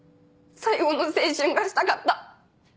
最後の青春がしたかった。